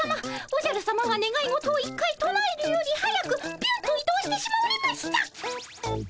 おじゃるさまがねがい事を１回となえるより速くビュンと移動してしまわれましたっ。